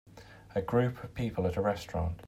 A group of people at a restaurant.